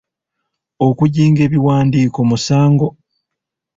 Okujinga ebiwandiiko musango.